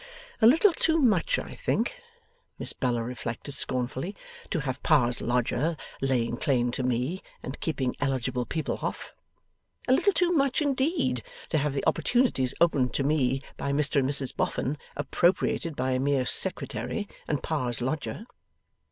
'A little too much, I think,' Miss Bella reflected scornfully, 'to have Pa's lodger laying claim to me, and keeping eligible people off! A little too much, indeed, to have the opportunities opened to me by Mr and Mrs Boffin, appropriated by a mere Secretary and Pa's lodger!